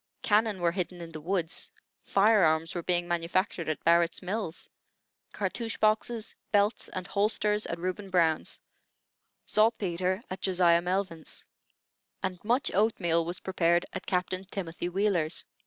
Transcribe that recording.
Cannon were hidden in the woods; fire arms were being manufactured at Barrett's Mills; cartouch boxes, belts, and holsters, at Reuben Brown's; saltpetre at Josiah Melvin's; and much oatmeal was prepared at Captain Timothy Wheeler's.